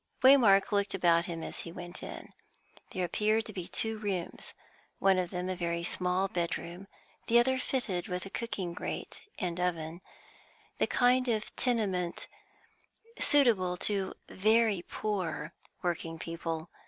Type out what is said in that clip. Waymark looked about him as he went in. There appeared to be two rooms, one of them a very small bedroom, the other fitted with a cooking grate and oven; the kind of tenement suitable to very poor working people.